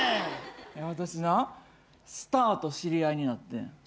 私なスターと知り合いになってん。